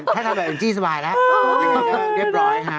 ถ้าทำแบบแองจี้สบายแล้ว